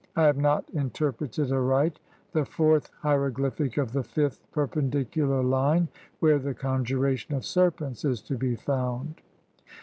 I have not interpreted aright the fourth hieroglyphic of the fifth perpendicular line where the conjuration of serpents is to be found."